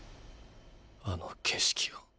あの景色を。